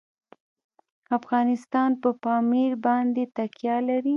افغانستان په پامیر باندې تکیه لري.